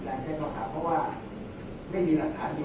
แต่ว่าไม่มีปรากฏว่าถ้าเกิดคนให้ยาที่๓๑